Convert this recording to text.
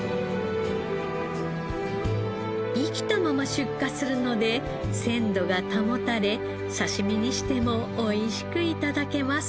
生きたまま出荷するので鮮度が保たれ刺し身にしても美味しく頂けます。